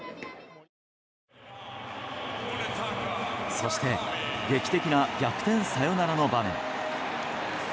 そして劇的な逆転サヨナラの場面。